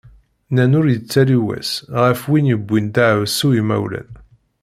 Nnan ur yettali wass, ɣef win yewwin daεwessu imawlan.